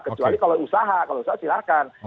kecuali kalau usaha kalau usaha silahkan